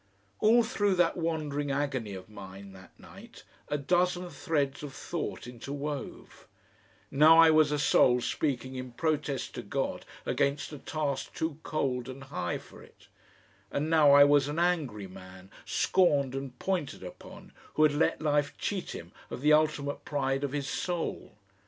All through that wandering agony of mine that night a dozen threads of thought interwove; now I was a soul speaking in protest to God against a task too cold and high for it, and now I was an angry man, scorned and pointed upon, who had let life cheat him of the ultimate pride of his soul.